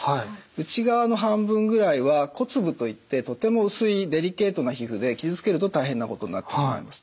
内側の半分ぐらいは骨部といってとても薄いデリケートな皮膚で傷つけると大変なことになってしまいます。